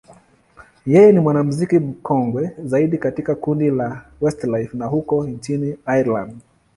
yeye ni mwanamuziki mkongwe zaidi katika kundi la Westlife la huko nchini Ireland.